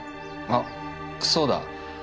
あっそうだ。